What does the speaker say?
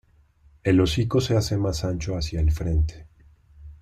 El hocico se hace más ancho hacia el frente.